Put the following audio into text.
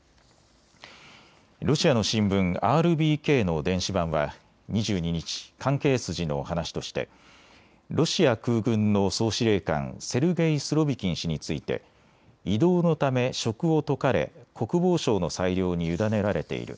ロシアの新聞、ＲＢＫの電子版は２２日、関係筋の話としてロシア空軍の総司令官、セルゲイ・スロビキン氏について異動のため職を解かれ国防省の裁量に委ねられている。